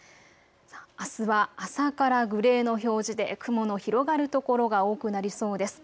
あすは朝からグレーの表示で雲の広がる所が多くなりそうです。